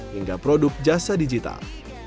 hingga produk jasa digital